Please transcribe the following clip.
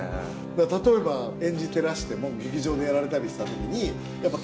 例えば演じてらしても劇場でやられたりした時に。